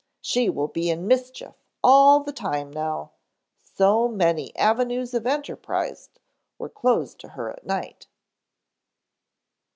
She will be in mischief all the time now. So many avenues of enterprise were closed to her at night."